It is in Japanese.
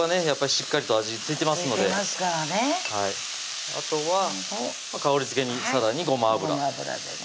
しっかりと味付いてますのであとは香りづけにさらにごま油ごま油でね